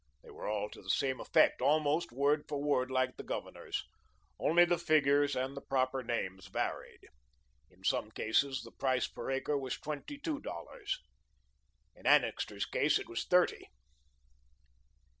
They were all to the same effect, almost word for word like the Governor's. Only the figures and the proper names varied. In some cases the price per acre was twenty two dollars. In Annixter's case it was thirty.